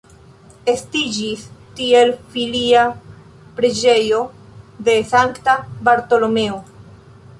Estiĝis tiel filia preĝejo de sankta Bartolomeo.